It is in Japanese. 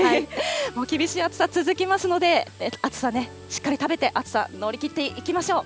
厳しい暑さ、続きますので、暑さ、しっかり食べて暑さ乗り切っていきましょう。